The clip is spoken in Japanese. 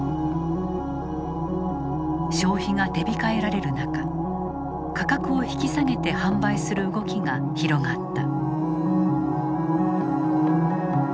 消費が手控えられる中価格を引き下げて販売する動きが広がった。